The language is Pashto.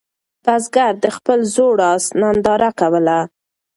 بزګر د خپل زوړ آس ننداره کوله.